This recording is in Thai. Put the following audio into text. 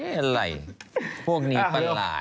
อะไรพวกนี้ปลาล่าย